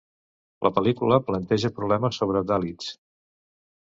La pel·lícula planteja problemes sobre Dalits.